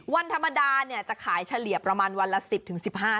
วันธรรมดาเนี่ยจะขายเฉลี่ยประมาณวันละ๑๐๑๕บาท